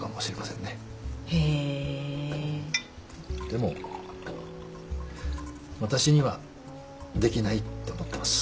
でも私にはできないって思ってます。